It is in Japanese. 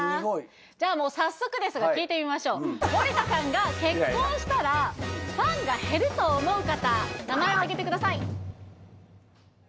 じゃあもう早速ですが聞いてみましょう森田さんが結婚したらファンが減ると思う方名前をあげてください